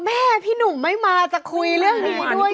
แม่พี่หนุ่มไม่มาจะคุยเรื่องนี้ด้วย